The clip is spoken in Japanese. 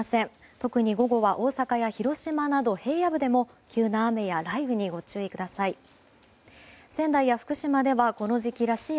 特に午後は大阪や広島など平野部でも急な雨や雷雨にご注意ください。